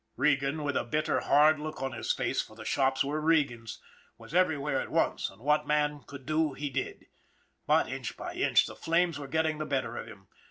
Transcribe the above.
Regan, with a bitter, hard look on his face for the shops were Regan's, was everywhere at once, and what man could do he did; but, inch by inch, the flames were getting the better of him.